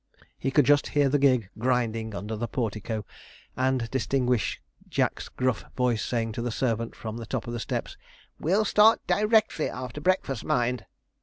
He could just hear the gig grinding under the portico, and distinguish Jack's gruff voice saying to the servant from the top of the steps, 'We'll start directly after breakfast, mind.'